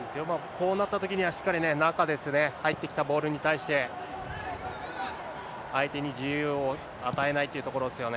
こうなったときには、しっかりね、中ですね、入ってきたボールに対して、相手に自由を与えないというところですよね。